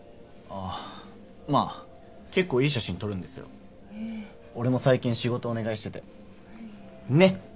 ああまあ結構いい写真撮るんですよへえ俺も最近仕事お願いしててねっ！